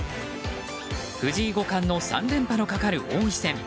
藤井五冠の３連覇のかかる王位戦。